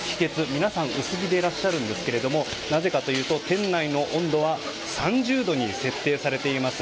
皆さん薄着でいらっしゃるんですけどもなぜかというと店内の温度は３０度に設定されています。